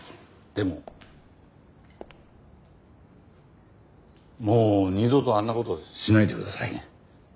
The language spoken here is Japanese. でももう二度とあんな事しないでくださいね。